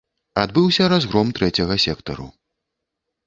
Адбыўся разгром трэцяга сектару.